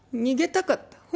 逃げたかった。